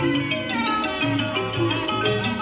โอเคครับ